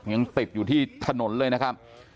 ยังติดอยู่ที่ถนนเลยนะครับ